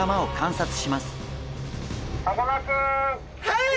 はい！